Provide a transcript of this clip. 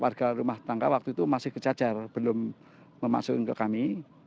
warga rumah tangga waktu itu masih kecacar belum memasukin ke kami